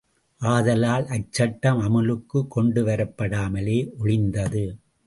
ஆதலால் அச்சட்டம் அமுலுக்குக் கொண்டுவரப்படாமலே ஒழிந்தது.